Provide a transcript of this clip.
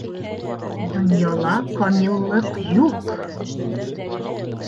Донъяла камиллыҡ юҡ!